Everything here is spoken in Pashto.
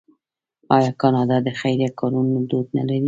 آیا کاناډا د خیریه کارونو دود نلري؟